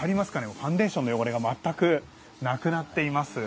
ファンデーションの汚れが全くなくなっています。